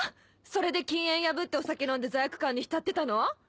それで禁煙破ってお酒飲んで罪悪感に浸ってたの？